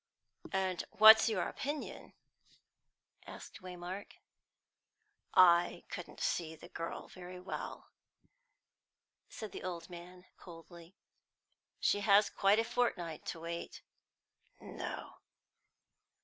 "And what's your opinion?" asked Waymark. "I couldn't see the girl very well," said the old man coldly. "She hasn't quite a fortnight to wait." "No."